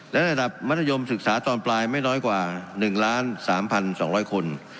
และระดับมัธยมศึกษาตอนปลายไม่น้อยกว่า๑๓๒๐๐คน